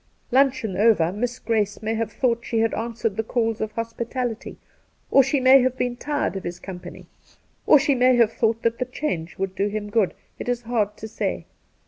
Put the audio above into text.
Luncheon over, Miss Grace may have thought she had answered the calls of hospitality, or she may have been tired of his company, or she may have thought that the change could do him good ^ it is hard to say.